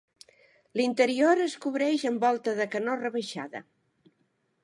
L'interior es cobreix amb volta de canó rebaixada.